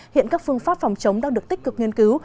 hiện các phương pháp phòng chống đang được tích cực nghiên cứu